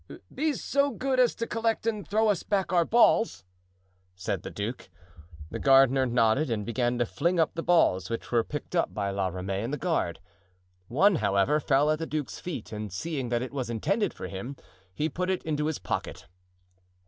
"Be so good as to collect and throw us back our balls," said the duke. The gardener nodded and began to fling up the balls, which were picked up by La Ramee and the guard. One, however, fell at the duke's feet, and seeing that it was intended for him, he put it into his pocket.